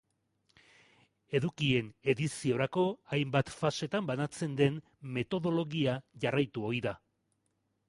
Edukien-ediziorako hainbat fasetan banatzen den metodologia jarraitu ohi da.